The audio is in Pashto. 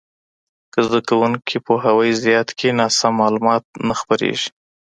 که زده کوونکي پوهاوی زیات کړي، ناسم معلومات نه خپرېږي.